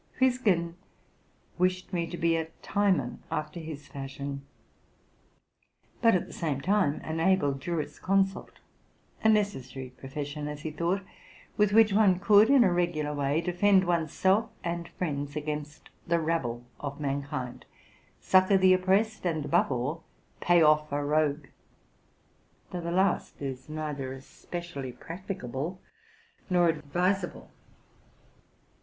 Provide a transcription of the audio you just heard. Huisgen wished me to be a Timon after his fashion, but, at the same time, an able jurisconsult, —a necessary profession, as he thought, with which one could, in a regular manner, defend one's self and friends against the rabble of mankind, succor the oppressed, and, above all, pay off a rogue; though the last is neither especially practicable nor advisable.